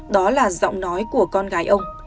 đó là giọng nói của con gái ông